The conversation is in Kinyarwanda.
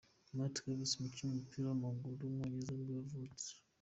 Matt Jarvis, umukinnyi w’umupira w’amaguru w’umwongereza ni bwo yavutse.